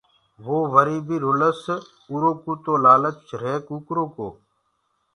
وو وري بي رُلس رُلس اُرو ڪوُ تو لآلچ رهي ڪُڪرو ڪو۔